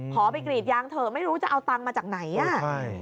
ขอไปกรีดยางเถอะไม่รู้จะเอาตังค์มาจากไหนอ่ะใช่